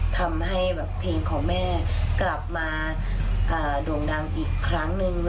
ทำให้เพลงของแม่กลับมาโด่งดังอีกครั้งหนึ่ง